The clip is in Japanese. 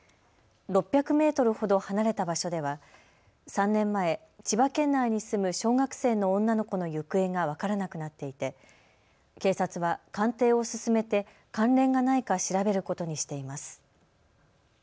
６００メートルほど離れた場所では３年前、千葉県内に住む小学生の女の子の行方が分からなくなっていて警察は鑑定を進めて関連がないか調べることにしています。